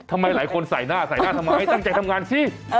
ทำไมหลายคนใส่หน้าใส่หน้าทำไมตั้งใจทำงานสิ